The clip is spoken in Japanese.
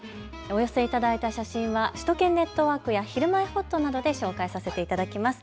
お寄せいただいた写真は、首都圏ネットワークやひるまえほっとなどで紹介させていただきます。